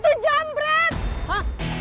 buat defa monasterya